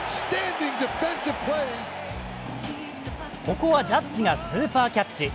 ここはジャッジがスーパーキャッチ。